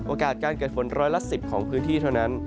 การเกิดฝนร้อยละ๑๐ของพื้นที่เท่านั้น